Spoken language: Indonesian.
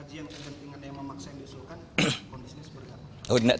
kaji yang kegentingan yang memaksa yang disuruhkan kondisinya seperti apa